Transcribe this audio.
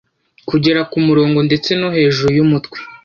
kugera kumurongo, ndetse no hejuru yumutwe